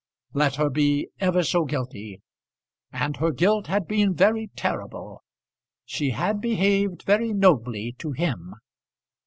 Let her be ever so guilty, and her guilt had been very terrible, she had behaved very nobly to him.